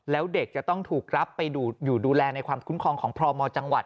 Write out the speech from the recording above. แล้วเด็กจะต้องถูกรับไปอยู่ดูแลในความคุ้มครองของพมจังหวัด